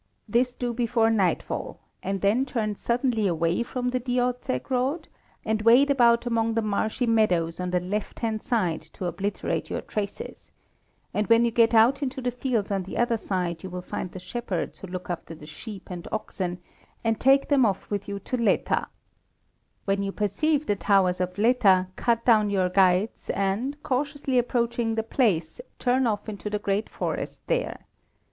This do before nightfall, and then turn suddenly away from the Diószeg road and wade about among the marshy meadows on the left hand side to obliterate your traces, and when you get out into the fields on the other side you will find the shepherds who look after the sheep and oxen, and take them off with you to Létá. When you perceive the towers of Létá, cut down your guides, and, cautiously approaching the place, turn off into the great forest there.